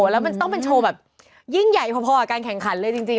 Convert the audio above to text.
แล้วมันต้องเป็นโชว์แบบยิ่งใหญ่พอกับการแข่งขันเลยจริง